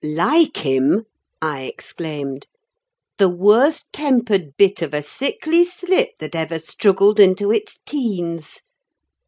"Like him!" I exclaimed. "The worst tempered bit of a sickly slip that ever struggled into its teens.